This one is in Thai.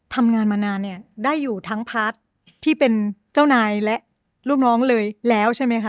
ทำงานมานานเนี่ยได้อยู่ทั้งพาร์ทที่เป็นเจ้านายและลูกน้องเลยแล้วใช่ไหมคะ